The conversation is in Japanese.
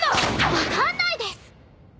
分かんないです！